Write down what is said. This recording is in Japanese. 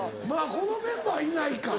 このメンバーはいないか。